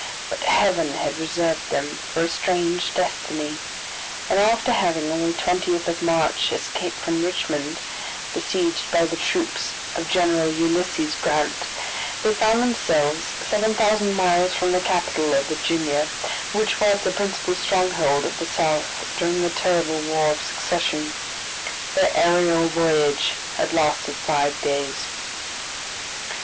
But Heaven had reserved them for a strange destiny, and after having, on the 20th of March, escaped from Richmond, besieged by the troops of General Ulysses Grant, they found themselves seven thousand miles from the capital of Virginia, which was the principal stronghold of the South, during the terrible War of Secession. Their aerial voyage had lasted five days.